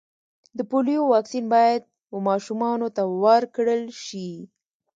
د پولیو واکسین باید و ماشومانو ته ورکړل سي.